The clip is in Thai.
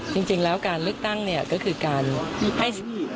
ก็จริงแล้วการลึกตั้งเนี่ยก็คือการให้สิทธิ์